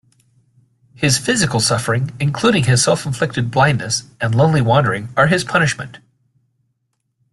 His physical suffering, including his self-inflicted blindness, and lonely wandering, are his punishment.